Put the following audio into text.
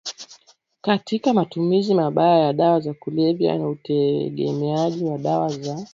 katika matumizi mabaya ya dawa za kulevya na utegemeaji wa dawa za